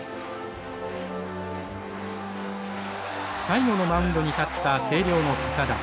最後のマウンドに立った星稜の堅田。